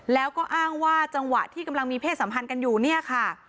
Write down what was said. แล้วก็อ้างว่าจังหวะที่กำลังมีเพศสัมพันธ์กันอยู่เนี่ยค่ะ